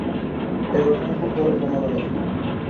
এ ঘটনাটি পরে বর্ণনা করা হবে।